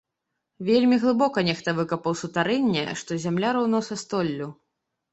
Вельмі глыбока нехта выкапаў сутарэнне, што зямля роўна са столлю.